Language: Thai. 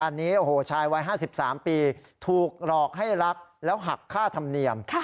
อันนี้โอ้โหชายวัย๕๓ปีถูกหลอกให้รักแล้วหักค่าธรรมเนียม